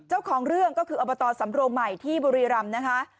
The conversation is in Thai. เจ้าของเรื่องก็คืออบตสำโรงใหม่ที่บุรีรำนะคะ